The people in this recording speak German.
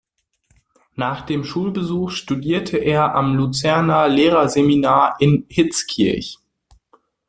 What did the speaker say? Nach dem Schulbesuch studierte er am Luzerner Lehrerseminar in Hitzkirch.